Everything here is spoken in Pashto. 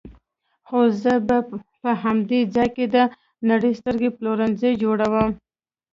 خو زه به په همدې ځای کې د نړۍ ستر پلورنځی جوړوم.